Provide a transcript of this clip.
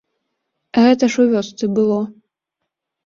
Гэта ж у вёсцы было.